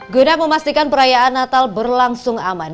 guna memastikan perayaan natal berlangsung aman